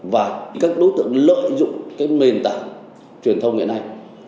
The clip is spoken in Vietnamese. và các đối tượng lợi dụng cái nền tảng truyền thông hiện nay